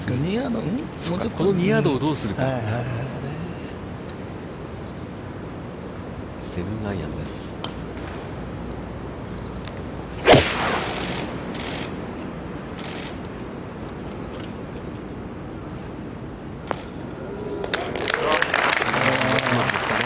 その２ヤードをどうするかですね。